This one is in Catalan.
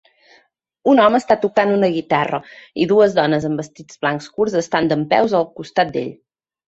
Un home està tocant una guitarra i dues dones amb vestits blancs curts estan dempeus al costat d'ell